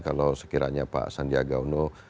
kalau sekiranya pak sandiaga uno